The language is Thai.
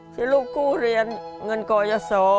ที่ลูกกู้เรียนเงินก่อยสอ